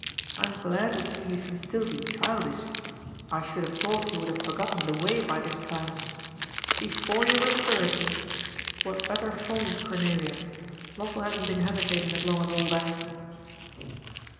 " I am glad to see you can still be childish. I should have thought you would have forgotten the way by this time. * Before you were thirty I ' What utter folly, Cornelia. Lossell hasn't been hesitating as long as all that."